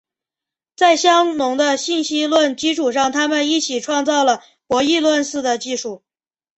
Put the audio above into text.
在香农的信息论基础上他们一起创造了博弈论似的技术。